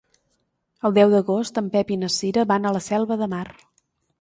El deu d'agost en Pep i na Cira van a la Selva de Mar.